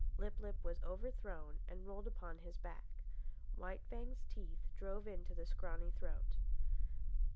Lip lip was overthrown and rolled upon his back. White Fang's teeth drove into the scrawny throat.